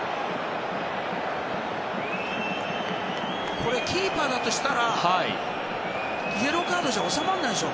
これ、キーパーだとしたらイエローカードじゃ収まらないでしょ。